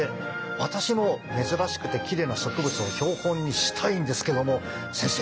私も珍しくてきれいな植物を標本にしたいんですけども先生